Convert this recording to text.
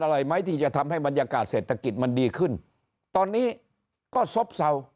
อะไรไหมที่จะทำให้บรรยากาศเศรษฐกิจมันดีขึ้นตอนนี้ก็ซบเศร้า